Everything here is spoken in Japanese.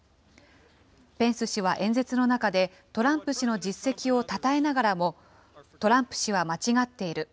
ペンス氏は演説の中で、トランプ氏の実績をたたえながらも、トランプ氏は間違っている。